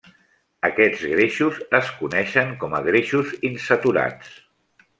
Aquests greixos es coneixen com a greixos insaturats.